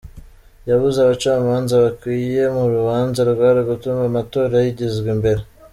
Yabuze abacamanza bakwiye mu rubanza rwari gutuma amatora yigizwa imbere.